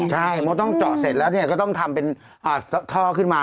ใช่เพราะต้องเจาะเสร็จแล้วก็ต้องทำเป็นท่อขึ้นมา